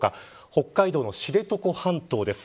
北海道の知床半島です。